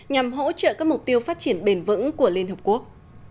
nhằm hỗ trợ các mục tiêu phát triển bền vững của liên hợp quốc